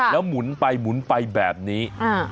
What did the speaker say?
แล้วหมุนไปหมุนไปแบบนี้